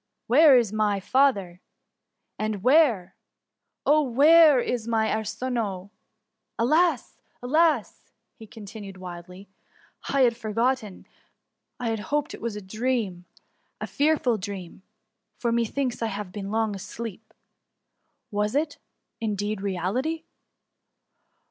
Where is my father ? And where ! oh, where, is my Ardnoe? Alas, alas!'' continued he wildly ;" I had forgotten— I hoped it was a dream, a fearful dream, for methinks I have been long asleep. Was it^ indeed, reality